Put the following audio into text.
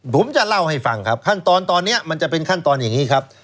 ผมจะเล่าให้ฟังครับขั้นตอนตอนนี้มันจะเป็นขั้นตอนอย่างนี้ครับ